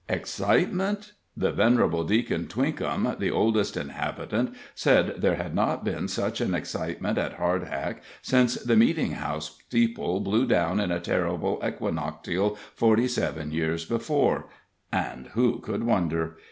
Excitement? The venerable Deacon Twinkham, the oldest inhabitant, said there had not been such an excitement at Hardhack since the meeting house steeple blew down in a terrible equinoctial, forty seven years before. And who could wonder?